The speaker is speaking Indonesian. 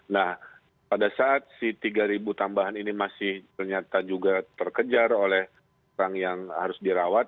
nah pada saat si tiga tambahan ini masih ternyata juga terkejar oleh orang yang harus dirawat